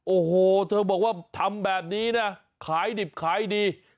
โอ้โหเธอบอกว่าทำแบบนี้นะขายดิบขายดี